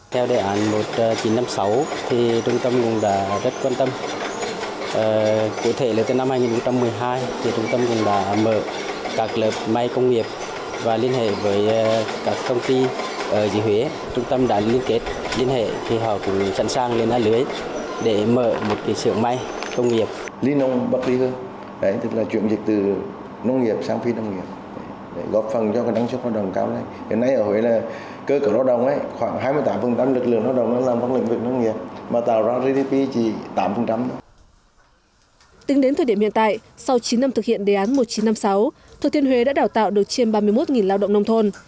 tính đến thời điểm hiện tại sau chín năm thực hiện đề án một nghìn chín trăm năm mươi sáu thừa tiên huế đã đào tạo được trên ba mươi một lao động nông thôn